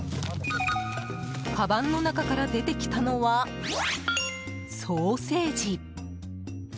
かばんの中から出てきたのはソーセージ。